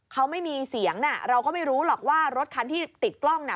เขาไม่มีเสียงน่ะเราก็ไม่รู้หรอกว่ารถคันที่ติดกล้องน่ะ